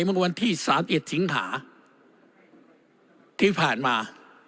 เมื่อวันที่๓๑สิงหาที่ผ่านมา